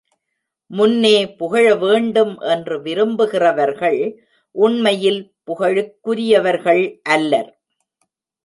முன்னே புகழவேண்டும் என்று விரும்புகிறவர்கள், உண்மையில் புகழுக்குரியவர்கள் அல்லர்.